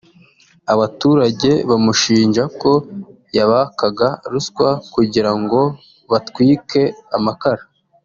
abaturage bamushinja ko yabakaga ruswa kugira ngo batwike amakara